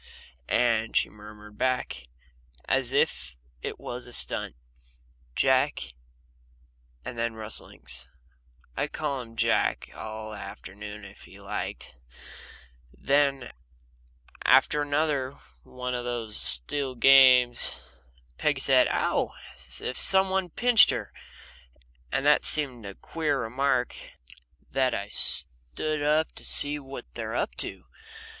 And she murmured back, as if it was a stunt, "Jack" and then rustlings. I'd call him Jack all the afternoon if he liked. Then, after another of those still games, Peggy said, "Ow!" as if somebody'd pinched her, and that seemed such a queer remark that I stood up to see what they were up to.